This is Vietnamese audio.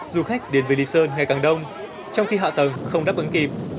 du khách đến với lý sơn ngày càng đông trong khi hạ tầng không đáp ứng kịp